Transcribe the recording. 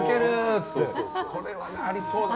これはありそうだな。